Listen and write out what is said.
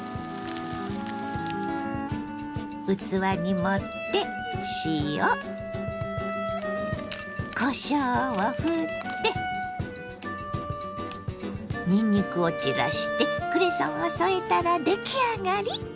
器に盛って塩こしょうをふってにんにくを散らしてクレソンを添えたら出来上がり！